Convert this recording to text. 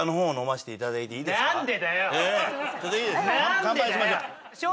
乾杯しましょう。